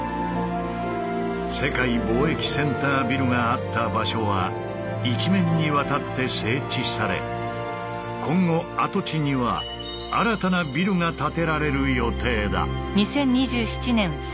世界貿易センタービルがあった場所は一面にわたって整地され今後跡地には新たなビルが建てられる予定だ。